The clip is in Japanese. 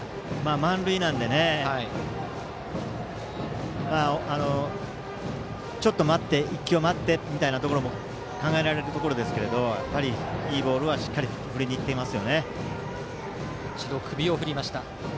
満塁なので、ちょっと１球待ってということも考えられるところですがいいボールはしっかり振りにいっています。